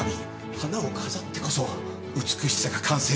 花を飾ってこそ美しさが完成するのですね。